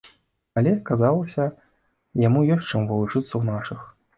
Але аказалася, яму ёсць чаму павучыцца ў нашых.